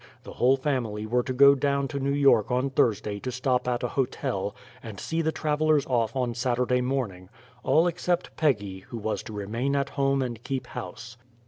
The whole family were to go down to New York on Thursday to stop at a hotel, and see the travellers off on Saturday morning all except Peggy, who was to remain at home and keep house.